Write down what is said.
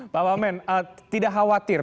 pak wamen tidak khawatir